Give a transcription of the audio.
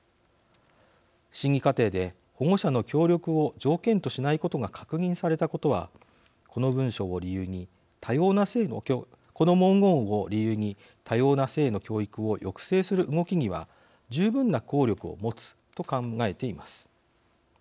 審議過程で保護者の協力を条件としないことが確認されたことはこの文章を理由に多様な性の教育を抑制する動きには十分な効力を持つと考えています。